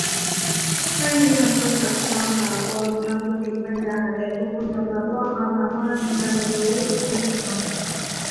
ไม่มีคำจำกัดความสากลทางสติปัญญา แต่ทุกคนยอมรับว่าความสามารถในการเรียนรู้เป็นของมัน